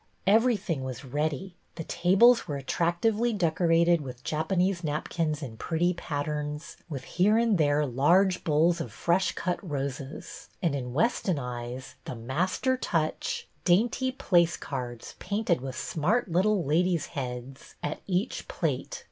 Every tliing was ready. The tables were attrac tively decorated with Japanese napkins in pretty patterns, with here and there large bowls of fresh cut roses and, in Weston eyes, the master touch, — dainty place cards, painted with smart little ladies' heads, at each plate.